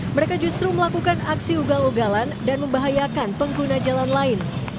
mereka justru melakukan aksi ugal ugalan dan membahayakan pengguna jalan lain